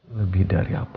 lebih dari apapun